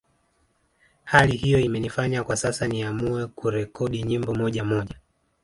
Hali hiyo imenifanya kwa sasa niamue kurekodi nyimbo moja moja